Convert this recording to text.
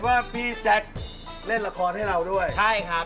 ว้านนี่ก็ยังมีทุพธิ์ถ่ายละครให้เราด้วย